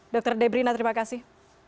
dr debrina terima kasih